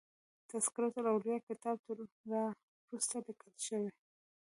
تذکرة الاولیاء کتاب تر را وروسته لیکل شوی.